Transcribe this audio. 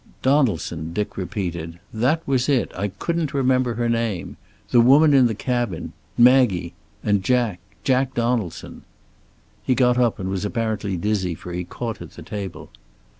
"Donaldson," Dick repeated. "That was it. I couldn't remember her name. The woman in the cabin. Maggie. And Jack. Jack Donaldson." He got up, and was apparently dizzy, for he caught at the table.